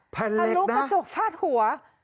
แผ่นเหล็กนะฟาดหัว